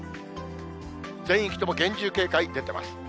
全域とも厳重警戒出てます。